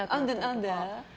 何で？